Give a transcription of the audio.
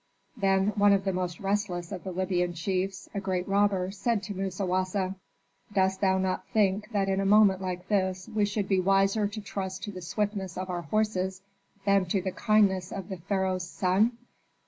Then one of the most restless of the Libyan chiefs, a great robber, said to Musawasa, "Dost thou not think that in a moment like this we should be wiser to trust to the swiftness of our horses than to the kindness of the pharaoh's son?